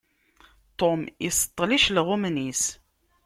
Tom iseṭṭel icelɣumen-is.